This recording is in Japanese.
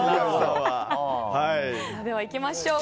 では、行きましょう。